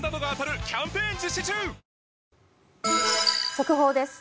速報です。